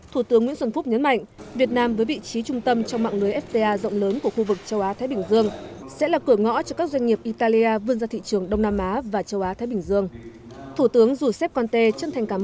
thủ tướng nguyễn xuân phúc nhấn mạnh việt nam với vị trí trung tâm trong mạng lưới fta rộng lớn của khu vực châu á thái bình dương sẽ là cửa ngõ cho các doanh nghiệp italia vươn ra thị trường đông nam á và châu á thái bình dương